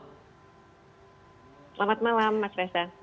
selamat malam mas resa